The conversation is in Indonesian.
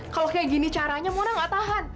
kalau kayak gini caranya mona nggak tahan